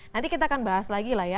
nanti kita akan bahas lagi lah ya